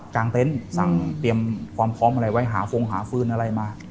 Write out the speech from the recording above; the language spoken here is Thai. เต็นต์สั่งเตรียมความพร้อมอะไรไว้หาฟงหาฟืนอะไรมา